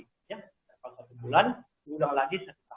setiap satu bulan diulang lagi satu tahun